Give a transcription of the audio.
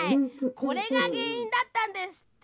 これがげんいんだったんですって。